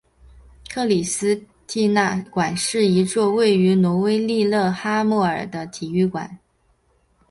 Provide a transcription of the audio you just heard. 克里斯蒂娜馆是一座位于挪威利勒哈默尔的体育馆。